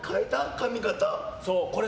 髪形。